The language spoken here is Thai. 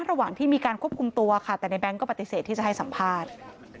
ระหว่างที่มีการควบคุมตัวค่ะแต่ในแง๊งก็ปฏิเสธที่จะให้สัมภาษณ์